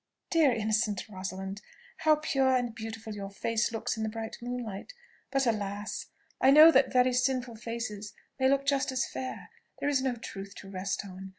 "Dear, innocent Rosalind! How pure and beautiful your face looks in the bright moonlight! But, alas! I know that very sinful faces may look just as fair. There is no truth to rest on.